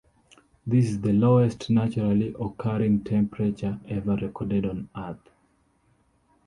This is the lowest naturally occurring temperature ever recorded on Earth.